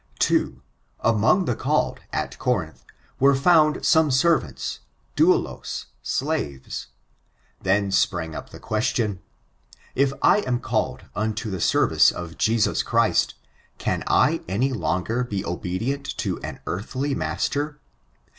2. Among the called, at Corinth, were feund some servants — doulous — slaves. Then sprang up the question: If I am called into the service of Jesus Christ, can I any longer be obedient to an earthly master?